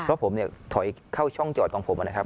เพราะผมเนี่ยถอยเข้าช่องจอดของผมนะครับ